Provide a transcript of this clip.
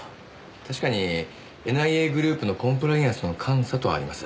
確かにＮＩＡグループのコンプライアンスの監査とあります。